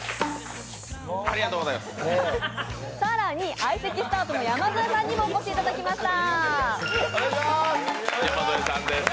更に相席スタートの山添さんにもお越しいただきました。